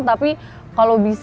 tapi kalau bisa